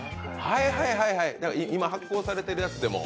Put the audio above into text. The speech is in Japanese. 今、発行されてるものでも。